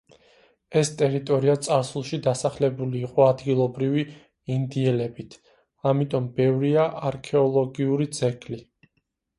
ეს ტერიტორია წარსულში დასახლებული იყო ადგილობრივი ინდიელებით, ამიტომ ბევრია არქეოლოგიური ძეგლი.